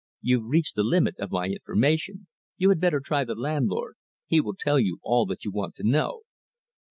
You've reached the limit of my information. You had better try the landlord. He will tell you all that you want to know."